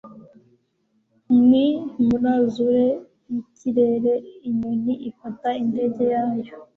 ni, muri azure yikirere, inyoni ifata indege yayo